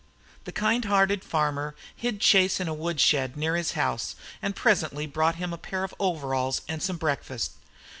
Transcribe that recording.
The kind hearted farmer hid Chase in a wood shed near his house and presently brought him a pair of overalls and some breakfast.